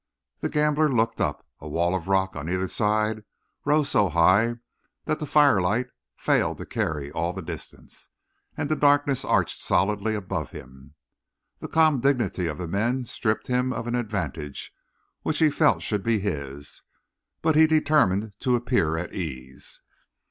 The gambler looked up; a wall of rock on either side rose so high that the firelight failed to carry all the distance, and the darkness arched solidly above him. The calm dignity of the men stripped him of an advantage which he felt should be his, but he determined to appear at ease.